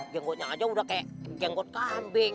jenggotnya aja udah kayak jenggot kambing